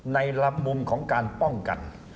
ในมุมของการป้องกัน